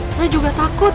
saya juga takut